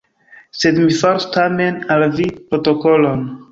Sed mi faros tamen al vi protokolon.